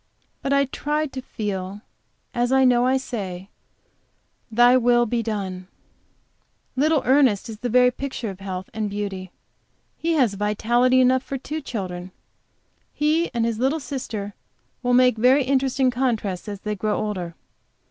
But I try to feel, as I know I say, Thy will be done! Little Ernest is the very picture of health and beauty. He has vitality enough for two children. He and his little sister will make very interesting contrasts as they grow older.